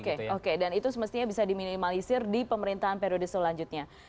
oke oke dan itu semestinya bisa diminimalisir di pemerintahan periode selanjutnya